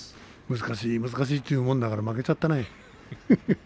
難しい難しいと言うもんだから負けたね。